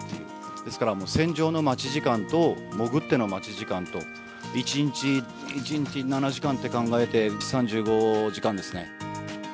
ですから、もう船上の待ち時間と、潜っての待ち時間と、１日７時間って考えて、３５時間ですね。